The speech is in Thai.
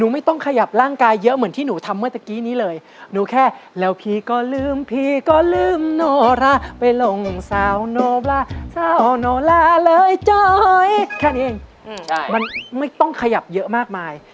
มันไม่ต้องขยับเยอะมากมาย